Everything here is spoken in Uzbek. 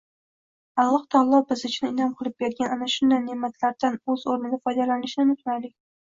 Alloh taolo biz uchun inʼom qilib bergan ana shunday neʼmatlardan oʻz oʻrnida foydalanishni unutmaylik!